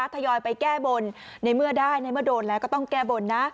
ทยอยไปแก้บนในเมื่อได้ในเมื่อโดนแล้วก็ต้องแก้บนนะ